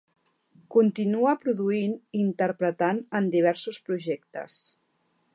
Continua produint i interpretant en diversos projectes.